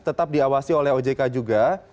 tetap diawasi oleh ojk juga